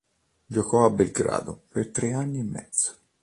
Giocò a Belgrado per tre anni e mezzo.